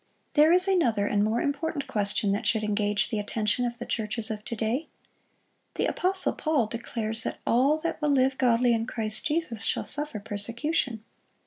There is another and more important question that should engage the attention of the churches of to day. The apostle Paul declares that "all that will live godly in Christ Jesus shall suffer persecution."